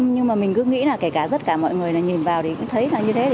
nhưng mà mình cứ nghĩ là kể cả rất cả mọi người nhìn vào thì cũng thấy là như thế